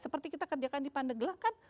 seperti kita kerjakan di pandeglang kan